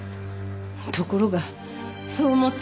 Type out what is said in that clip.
ところがそう思った